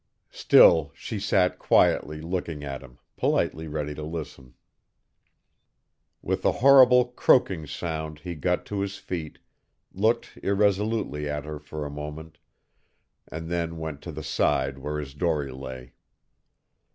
Still she sat quietly looking at him, politely ready to listen. With a horrible croaking sound he got to his feet, looked irresolutely at her for a moment, and then went to the side where his dory lay.